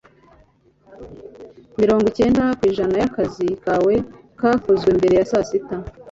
Mirongo icyenda ku ijana by'akazi kawe kakozwe mbere ya saa sita